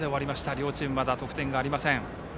両チーム、まだ得点がありません。